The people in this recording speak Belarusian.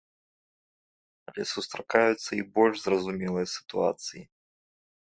Але сустракаюцца і больш зразумелыя сітуацыі.